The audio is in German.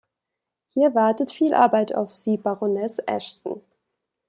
Hier wartet viel Arbeit auf Sie, Baroness Ashton.